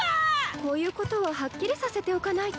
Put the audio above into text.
こういうことははっきりさせておかないと。